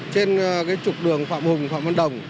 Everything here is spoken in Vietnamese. trên cái trục đường phạm hùng phạm văn đồng